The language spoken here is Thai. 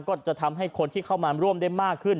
ก็จะทำให้คนที่เข้ามาร่วมได้มากขึ้น